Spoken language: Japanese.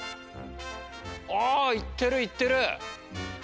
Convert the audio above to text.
あいってるいってる！